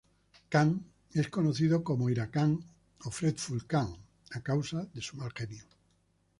Kan es conocido como 'Ira-Kan' o 'Fretful-Kan', a causa de su mal genio.